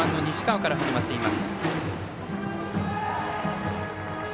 ４番の西川から始まっています。